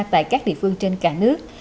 tại các địa phương trên cả nước